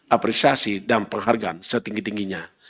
apresiasi dan penghargaan setinggi tingginya